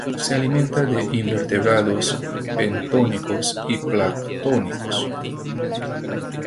Se alimenta de invertebrados bentónicos y planctónicos.